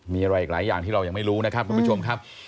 มีอะไรอีกหลายอย่างที่เรายังไม่รู้นะครับคุณผู้ชมครับ